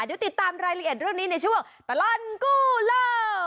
เดี๋ยวติดตามรายละเอียดเรื่องนี้ในช่วงตลอดกู้โลก